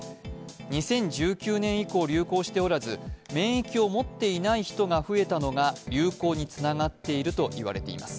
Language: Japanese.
２０１９年以降、流行しておらず持っていない人が増えたのが流行につながっていると言われています。